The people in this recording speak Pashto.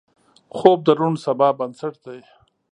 خوب د روڼ سبا بنسټ دی